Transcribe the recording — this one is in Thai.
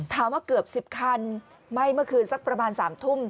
ถามว่าเกือบ๑๐คันไหม้เมื่อคืนสักประมาณ๓ทุ่ม